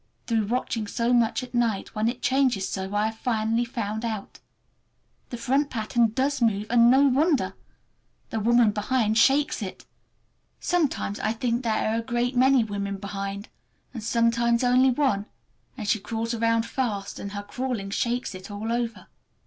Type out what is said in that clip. Through watching so much at night, when it changes so, I have finally found out. The front pattern does move—and no wonder! The woman behind shakes it! Sometimes I think there are a great many women behind, and sometimes only one, and she crawls around fast, and her crawling shakes it all over.